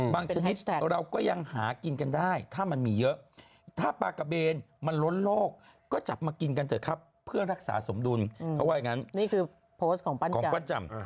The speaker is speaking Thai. โพสต์ของปั้นจังโพสต์ของปั้นจังโพสต์ของปั้นจังโพสต์ของปั้นจัง